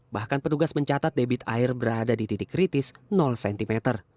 bahkan petugas mencatat debit air berada di titik kritis cm